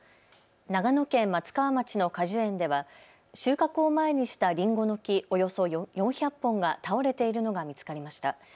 長野県松川町の果樹園では収穫を前にしたりんごの木およそ４００本が倒れているのが見つかりました。